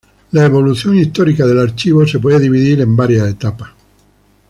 La evolución histórica del Archivo se puede dividir en varias etapas.